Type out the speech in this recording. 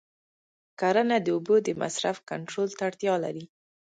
کرنه د اوبو د مصرف کنټرول ته اړتیا لري.